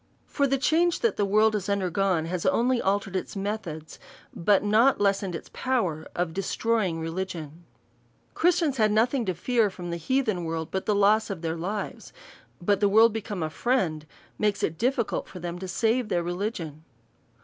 For the change that the world has undergone, has only altered its methods, but not lessened its pov/ er of destroying religion. Christians had nothing to fear from the heathen world, but the loss of their lives ; but the world be come a friend, makds it difficult for them to save their religion.